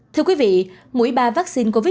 thưa quý vị mũi ba vaccine covid một mươi chín